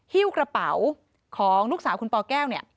ฮิ้วกระเป๋าของลูกสาวคุณปแก้วเนี่ย